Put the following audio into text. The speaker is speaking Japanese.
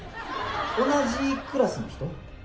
同じクラスの人。